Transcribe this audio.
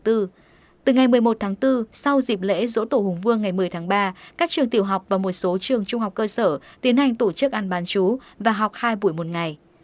từ ngày một mươi một tháng bốn sau dịp lễ dỗ tổ hùng vương ngày một mươi tháng ba các trường tiểu học và một số trường trung học cơ sở tiến hành tổ chức ăn bán chú và học hai buổi một ngày